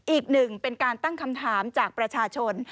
อีกหนึ่งเป็นการตั้งคำถามจากประชาชน